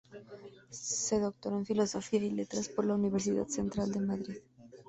Se doctoró en Filosofía y Letras por la Universidad Central de Madrid.